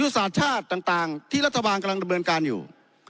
สหรัฐชาติต่างที่รัฐบาลกำลังได้บืนการอยู่